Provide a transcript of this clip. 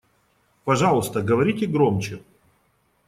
Пожалуйста, говорите громче.